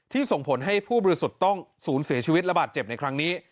ส่งผลให้ผู้บริสุทธิ์ต้องศูนย์เสียชีวิตระบาดเจ็บในครั้งนี้